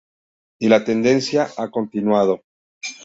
Y la tendencia ha continuado.